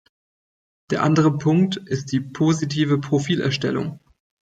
Der andere Punkt ist die positive Profilerstellung.